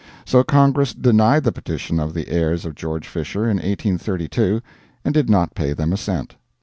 So Congress denied the petition of the heirs of George Fisher in 1832, and did not pay them a cent.